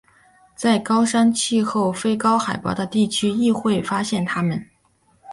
在高山气候非高海拔的地区亦会发现它们。